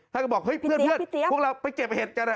ท่านก็บอกเฮ้ยเพื่อนพวกเราไปเก็บเห็ดกัน